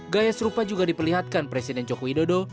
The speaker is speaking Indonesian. gaya serupa juga diperlihatkan presiden joko widodo